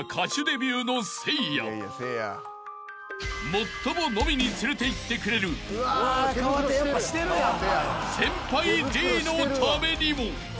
［最も飲みに連れていってくれる先輩Ｄのためにも］